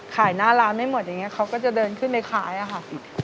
ขายหน้าร้านไม่หมดอย่างนี้เขาก็จะเดินขึ้นไปขายอะค่ะ